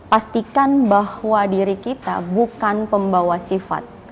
pastikan bahwa diri kita bukan pembawa sifat